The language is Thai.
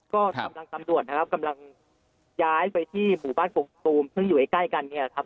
ก็กำลังตำรวจนะครับกำลังย้ายไปที่หมู่บ้านกกตูมซึ่งอยู่ใกล้กันเนี่ยครับ